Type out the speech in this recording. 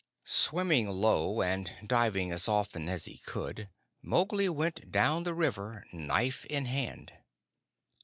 Swimming low and diving as often as he could, Mowgli went down the river, knife in hand.